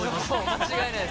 間違いないです。